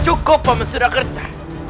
cukup pemen surakerta